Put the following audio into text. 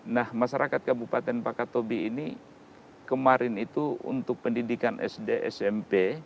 nah masyarakat kabupaten pakatobi ini kemarin itu untuk pendidikan sd smp